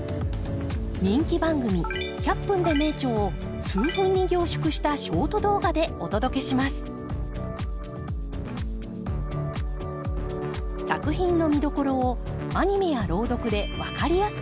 人気番組「１００分ｄｅ名著」を数分に凝縮したショート動画でお届けします作品の見どころをアニメや朗読で分かりやすくご紹介。